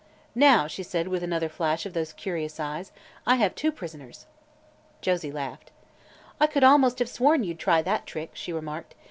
"Now," said she, with another flash of those curious eyes, "I have two prisoners." Josie laughed. "I could almost have sworn you'd try that trick," she remarked.